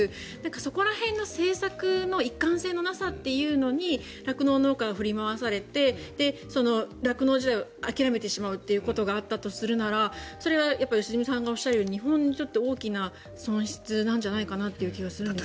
そこら辺の政策の一貫性のなさというのに酪農農家は振り回されて酪農自体を諦めてしまうということがあったとするならそれは良純さんがおっしゃるように日本にとって大きな損失なんじゃんないかという気がするんですが。